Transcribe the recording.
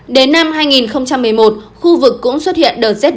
đến năm hai nghìn một mươi một khu vực cũng xuất hiện đợt rét nhẹ